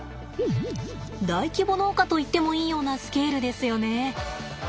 大規模農家といってもいいようなスケールですよね。